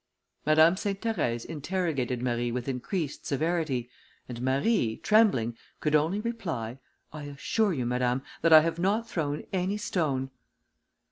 Madame Sainte Therèse interrogated Marie with increased severity, and Marie, trembling, could only reply, "I assure you, Madame, that I have not thrown any stone."